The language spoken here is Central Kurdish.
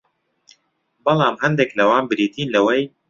بەڵام هەندێک لەوانە بریتین لەوەی